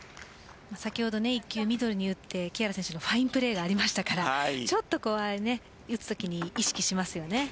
先ほど１球ミドルに打って木原選手のファインプレーがありましたからちょっと打つときに意識しますよね。